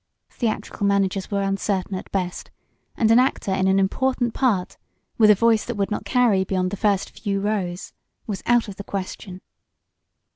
Theatrical managers were uncertain at best, and an actor in an important part, with a voice that would not carry beyond the first few rows, was out of the question.